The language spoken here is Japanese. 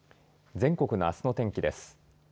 全国のあすの天気です。